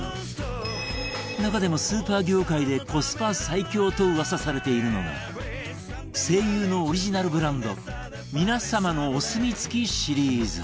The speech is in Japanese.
中でもスーパー業界でコスパ最強と噂されているのが ＳＥＩＹＵ のオリジナルブランド「みなさまのお墨付き」シリーズ